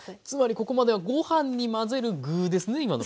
つまりここまではご飯に混ぜる具ですね。